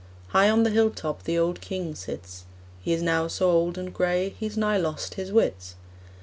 High on the hill top The old King sits; He is now so old and gray He's nigh lost his wits.